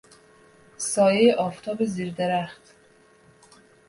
سایه آفتاب زیر درخت